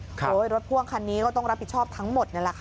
รถพ่วงคันนี้ก็ต้องรับผิดชอบทั้งหมดนี่แหละค่ะ